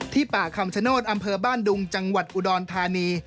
ป่าคำชโนธอำเภอบ้านดุงจังหวัดอุดรธานี